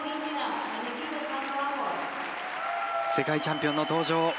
世界チャンピオンの登場。